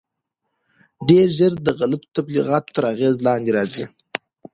ډېر ژر د غلطو تبلیغاتو تر اغېز لاندې راځي.